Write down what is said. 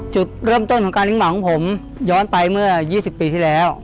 จุดเริ่มต้นของการเลี้ยหมาของผมย้อนไปเมื่อ๒๐ปีที่แล้ว